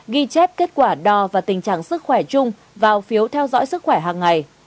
ghi chép kết quả đo và tình trạng sức khỏe chung vào phiếu theo dõi sức khỏe hàng ngày